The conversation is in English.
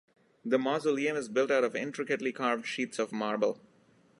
The mausoleum is built out of intricately carved sheets of marble.